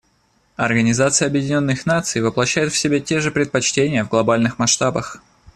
Организация Объединенных Наций воплощает в себе те же предпочтения в глобальных масштабах.